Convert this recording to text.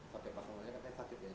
pak pak soelnya katanya sakit ya